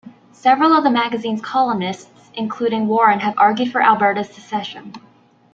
Several of the magazine's columnists, including Warren have argued for Alberta's secession.